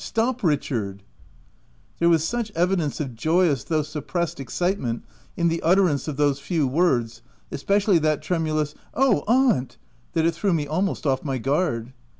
— Stop, Richard I 99 There was such evidence of joyous though suppressed excitement in the utterance of those few words — especially that tremulous, "Oh, aunt —" that it threw me almost off my guard.